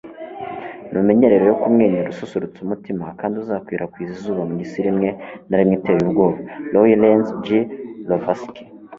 numenyere rero kumwenyura ususurutsa umutima, kandi uzakwirakwiza izuba mu isi rimwe na rimwe iteye ubwoba. - lawrence g. lovasik